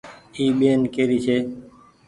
اي ٻين ڪي ري ڇي ۔